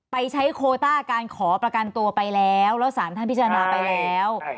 ไปใช้โคต้าการขอประกันตัวไปแล้วแล้วสารท่านพิจารณาไปแล้ว